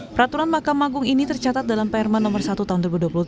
peraturan mahkamah agung ini tercatat dalam perma nomor satu tahun dua ribu dua puluh tiga